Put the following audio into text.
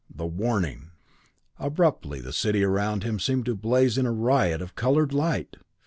The warning! Abruptly the city around him seemed to blaze in a riot of colored light!